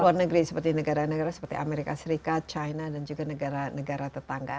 luar negeri seperti negara negara seperti amerika serikat china dan juga negara negara tetangga